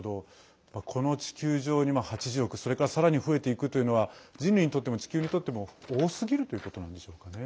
この地球上に８０億、それからさらに増えていくというのは人類にとっても地球にとっても多すぎるということなんですかね。